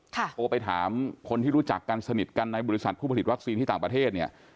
โทรไปถามคนที่รู้จักกันสนิทกันในบริษัทผู้ผลิตวัคซีนที่ต่างประเทศเนี่ย